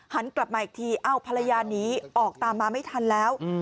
หันกลับมาอีกทีเอ้าภรรยาหนีออกตามมาไม่ทันแล้ว